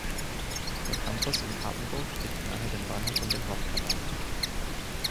Der Campus in Papenburg liegt nahe dem Bahnhof und dem Hauptkanal.